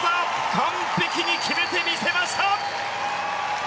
完璧に決めてみせました！